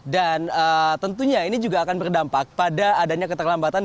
dan tentunya ini juga akan berdampak pada adanya keterlambatan